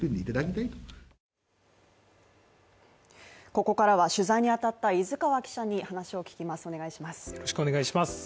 ここからは取材にあたった伊豆川記者に話を聞きます